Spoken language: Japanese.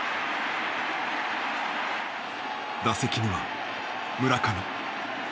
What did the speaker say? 打席には村上。